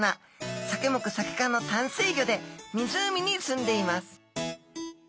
サケ目サケ科の淡水魚で湖にすんでいます。